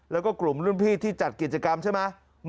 แล้วก็กลุ่มรุ่นพี่ที่จัดกิจกรรมใช่ไหม